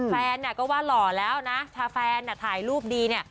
แฟนก็ว่าหล่อแล้วนะถ้าแฟนถ่ายรูปดีเนี่ย